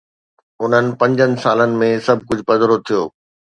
انهن پنجن سالن ۾، سڀ ڪجهه پڌرو ٿيو.